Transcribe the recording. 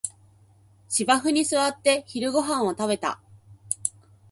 芝生に座って昼ごはんを食べた